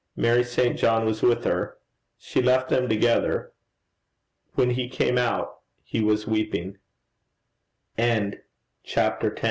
Mary St. John was with her. She left them together. When he came out, he was weeping. CHAPTER XI. THE